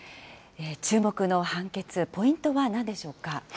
注目の判決、ポイントはなんでしょうか。